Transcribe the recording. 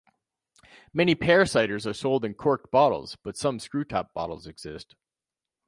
Many pear ciders are sold in corked bottles, but some screw-top bottles exist.